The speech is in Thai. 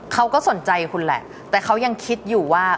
เขาก็สนใจคุณแหละแต่เขายังคิดอยู่ว่า